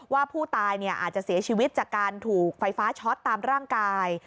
ว่าผู้ตายอาจจะเสียชีวิตจากการถูกไฟฟ้าช็อตตามร่างกาย